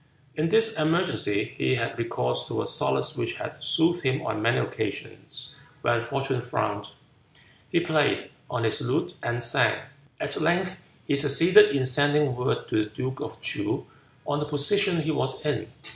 In this emergency he had recourse to a solace which had soothed him on many occasions when fortune frowned: he played, on his lute and sang. At length he succeeded in sending word to the duke of Ts'oo of the position he was in.